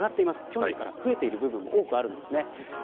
去年から増えている部分も多くあります。